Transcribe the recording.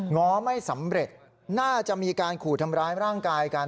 ง้อไม่สำเร็จน่าจะมีการขู่ทำร้ายร่างกายกัน